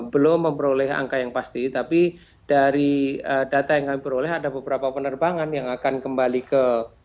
belum memperoleh angka yang pasti tapi dari data yang kami peroleh ada beberapa penerbangan yang akan kembali ke